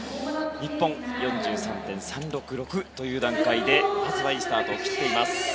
日本、４３．３６６という段階でまずは、いいスタートを切っています。